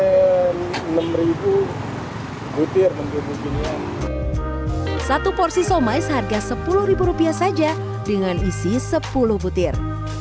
enam ribu butir bentuk mungkin satu porsi somai seharga sepuluh rupiah saja dengan isi sepuluh butir